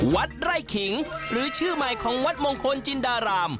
วัดไร่ขิงหรือชื่อใหม่ของวัดมงคลจินดาราม